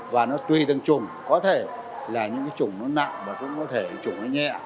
và nó tùy từng chủng có thể là những cái chủng nó nặng và cũng có thể chủng nó nhẹ